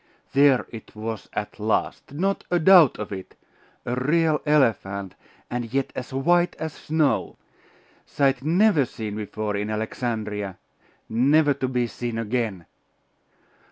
There it was at last! Not a doubt of it! A real elephant, and yet as white as snow. Sight never seen before in Alexandria never to be seen again!